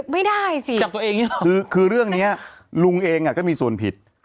ไม่ได้สิจับตัวเองอย่างนี้หรอคือคือเรื่องนี้ลุงเองก็มีส่วนผิด